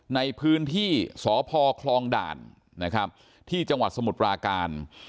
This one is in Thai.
ในพื้นที่สพคลองด่านนะครับที่จังหวัดสมุทรปราการ